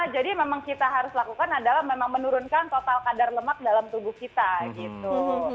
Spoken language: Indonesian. jadi memang kita harus lakukan adalah memang menurunkan total kadar lemak dalam tubuh kita gitu